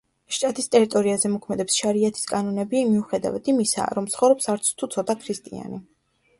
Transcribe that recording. შტატის ტერიტორიაზე მოქმედებს შარიათის კანონები, მიუხედავად იმისა, რომ ცხოვრობს არც თუ ცოტა ქრისტიანი.